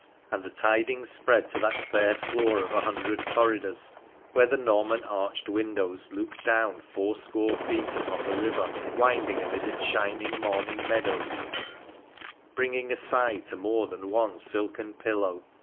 and the tidings spread to that fair floor of a hundred corridors, where the Norman arched windows looked down four score feet upon the river winding amid its shining morn ing meadows, bringing a sigh to more than one silken pillow.